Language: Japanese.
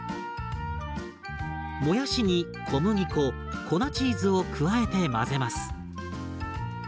もやしに小麦粉粉チーズを加えて混ぜます。